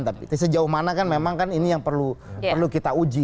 tapi sejauh mana kan memang kan ini yang perlu kita uji